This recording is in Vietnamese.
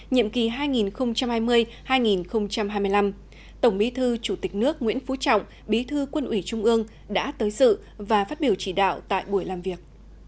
nhiệm kỳ hai nghìn hai mươi hai nghìn hai mươi năm tổng bí thư chủ tịch nước nguyễn phú trọng bí thư quân ủy trung ương đã tới sự và phát biểu chỉ đạo tại buổi làm việc